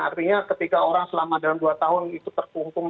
artinya ketika orang selama dalam dua tahun itu terkungkung